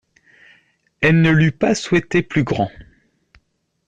Elle ne l'eût pas souhaité plus grand.